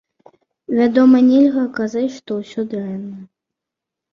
Вядома, нельга казаць, што ўсё дрэнна.